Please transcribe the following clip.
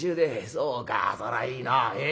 「そうかそらいいな。え？